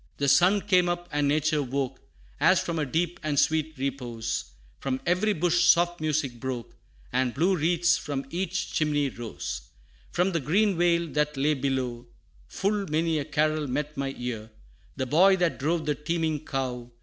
The sun came up, and nature woke, As from a deep and sweet repose; From every bush soft music broke, And blue wreaths from each chimney rose. From the green vale that lay below. Full many a carol met my ear; The boy that drove the teeming cow.